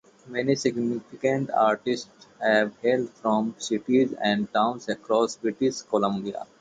Many significant artists have hailed from cities and towns across British Columbia.